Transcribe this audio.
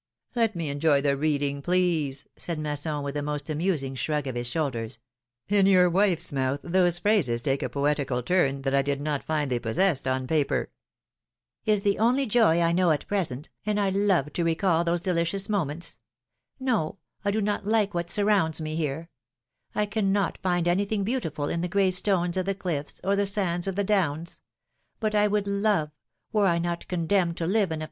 ^^Let me enjoy the reading, please," said Masson, with the most amusing shrug of his shoulders. In your wife's mouth, those phrases take a poetical turn that I did not find they possessed on paper." — Is the only joy I know at present, and I love to recall those delicious moments. No, I do not like what surrounds me here ; I cannot find anything beautiful in the gray stones of the cliffs, or the sands of the downs ; what I would love, were I not condemned to live in a 316 philom^:ne's marriages.